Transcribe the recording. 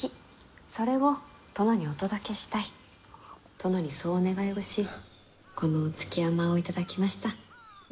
殿にそうお願いをしこの築山を頂きました。